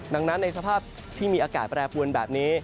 ดังนั้นในสภาพที่มีอากาศแปรปวนแบบนี้